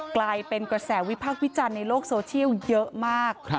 กลายเป็นกว่าแสวิภาควิจันทร์ในโลกโซเชียลเยอะมาก